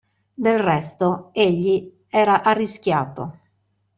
Del resto, egli era arrischiato.